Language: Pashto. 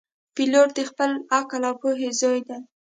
پیلوټ د خپل عقل او پوهې زوی دی.